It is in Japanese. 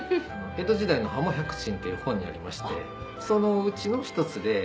江戸時代の『海鰻百珍』っていう本にありましてそのうちの一つで。